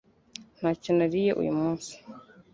Ntacyo nariye uyu munsi